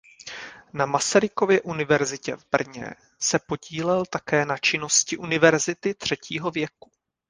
Na Masarykově univerzitě v Brně se podílel také na činnosti Univerzity třetího věku.